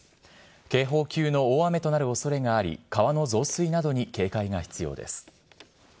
警報級の大雨となるおそれがあり、川の増水などに警戒が必要です。